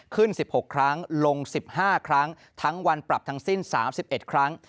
ขึ้น๑๖ครั้งลง๑๕ครั้งทั้งวันปรับทั้งสิ้น๓๑ครั้ง